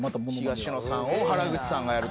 東野さんを原口さんがやるとか。